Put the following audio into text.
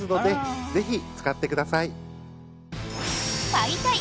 買いたい！